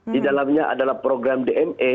di dalamnya adalah program dme